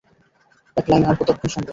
এক লাইন আর কতক্ষণ শুনবো।